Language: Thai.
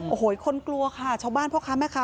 โอ้โหคนกลัวค่ะชาวบ้านพ่อค้าแม่ค้า